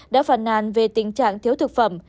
đã phản nàn về tình trạng thiếu thực phẩm